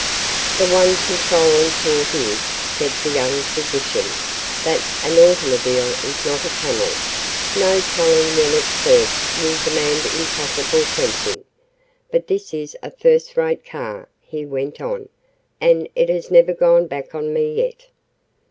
"The one controlling thought is," said the young physician, "that an automobile is not a camel. No telling when its thirst will demand impossible quenching. But this is a first rate car," he went on, "and it has never gone back on me yet."